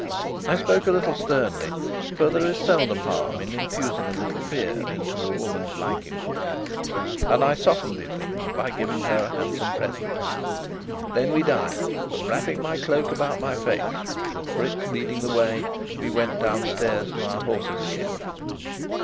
I spoke a little sternly, for there is seldom harm in infusing a little fear into a woman's liking for you, and I softened the effect by giving her a handsome present. Then we dined, and, wrapping my cloak about my face, with Fritz leading the way, we went downstairs to our horses again.